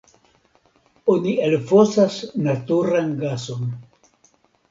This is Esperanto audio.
Oni elfosas naturan gason.